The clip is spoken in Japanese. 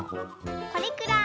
これくらい。